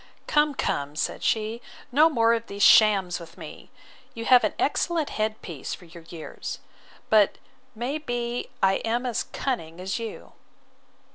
Come, come, said she, no more of these shams with me! You have an excellent head piece for your years; but may be I am as cunning as you.